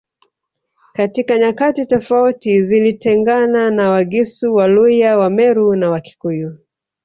Katika nyakati tofauti zilitengana na Wagisu Waluya Wameru na Wakikuyu